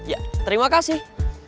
ya terima kasih